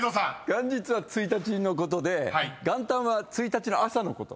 元日は１日のことで元旦は１日の朝のこと。